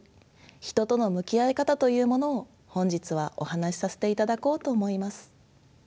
人との向き合い方というものを本日はお話しさせていただこうと思います。